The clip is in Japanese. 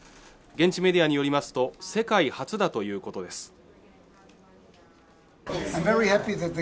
現地メディアによりますと世界初だということです